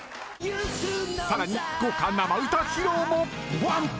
更に、豪華生歌披露も。